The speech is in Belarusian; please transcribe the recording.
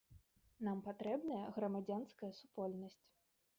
Нам патрэбная грамадзянская супольнасць.